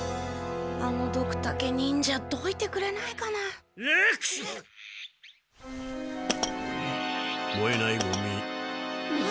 あのドクタケ忍者どいてくれないかな。もえないゴミ。